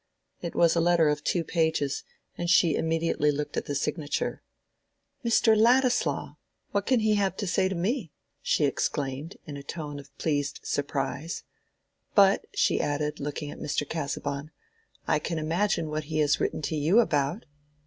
It was a letter of two pages, and she immediately looked at the signature. "Mr. Ladislaw! What can he have to say to me?" she exclaimed, in a tone of pleased surprise. "But," she added, looking at Mr. Casaubon, "I can imagine what he has written to you about."